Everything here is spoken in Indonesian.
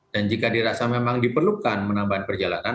dan jika dirasa memang diperlukan menambahkan perjalanan